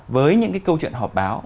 với những cái câu chuyện họp báo